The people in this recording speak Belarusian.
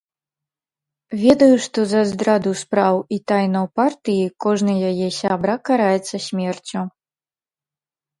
Ведаю, што за здраду спраў і тайнаў партыі кожны яе сябра караецца смерцю.